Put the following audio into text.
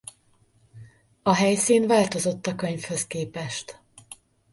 A helyszín változott a könyvhöz képest.